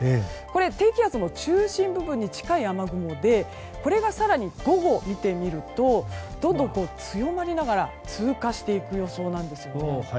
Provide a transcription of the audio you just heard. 低気圧の中心部分に近い雨雲でこれが更に午後を見てみるとどんどん強まりながら通過していく予想なんです。